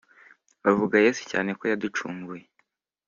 bavuge yesu cyane ko yaducunguye,